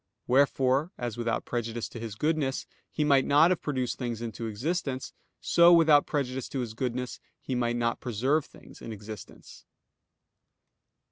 Wherefore, as without prejudice to His goodness, He might not have produced things into existence, so, without prejudice to His goodness, He might not preserve things in existence.